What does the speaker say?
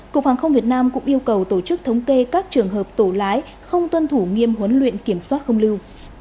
cục hàng không việt nam cũng yêu cầu tổ chức thống kê các trường hợp tổ lái không tuân thủ nghiêm huấn luyện kiểm soát không lưu